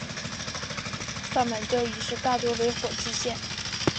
萨满教仪式大多会以火献祭。